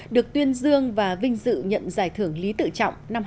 được tuyên dương và vinh dự nhận giải thưởng lý tự trọng năm hai nghìn một mươi chín